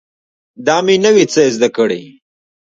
دا مې نوي څه زده کړي